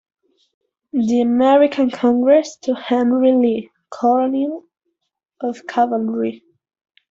The American Congress to Henry Lee, Colonel of Cavalry.